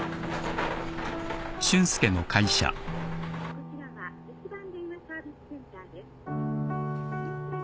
こちらは留守番電話サービスセンターです。